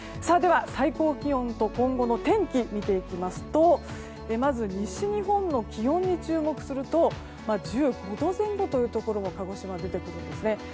では、最高気温と今後の天気を見ていきますとまず、西日本の気温に注目すると１５度前後というところが鹿児島、出てくるんですね。